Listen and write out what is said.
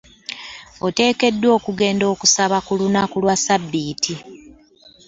Oteekeddwa okugenda okusaba ku lunaku lwa sabitti.